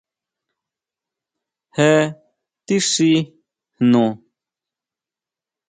¿Jé tixí jnu?